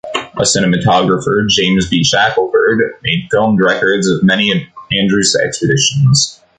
A cinematographer, James B. Shackelford, made filmed records of many of Andrews' expeditions.